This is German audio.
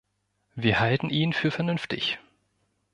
Wir halten ihn für vernünftig.